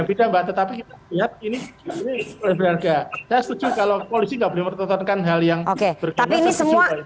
ini ini berharga saya setuju kalau polisi nggak boleh menontonkan hal yang oke tapi ini semua